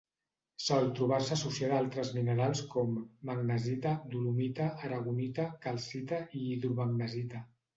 Sol trobar-se associada a altres minerals com: magnesita, dolomita, aragonita, calcita i hidromagnesita.